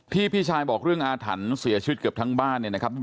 พี่พี่ชายบอกเรื่องอาถรรพ์เสียชีวิตเกือบทั้งบ้าน